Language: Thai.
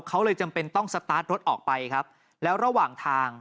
เขาเลยจำเป็นต้องสตาร์ทรถออกไปครับแล้วระหว่างทาง